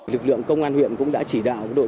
lực lượng công an huyện cũng đã chỉ đạo đội các công an